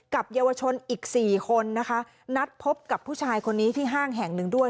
กับเยาวชนอีกสี่คนนะคะนัดพบกับผู้ชายคนนี้ที่ห้างแห่งหนึ่งด้วย